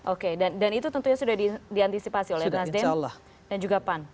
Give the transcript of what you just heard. oke dan itu tentunya sudah diantisipasi oleh nasdem dan juga pan